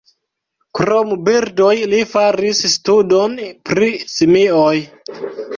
Krom birdoj li faris studon pri simioj.